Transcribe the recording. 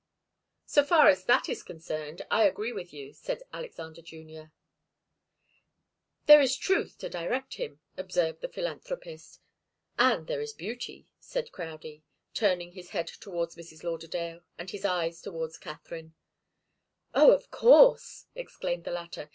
"So far as that is concerned, I agree with you," said Alexander Junior. "There is truth to direct him," observed the philanthropist. "And there is beauty," said Crowdie, turning his head towards Mrs. Lauderdale and his eyes towards Katharine. "Oh, of course!" exclaimed the latter.